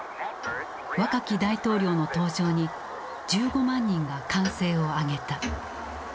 若き大統領の登場に１５万人が歓声を上げた。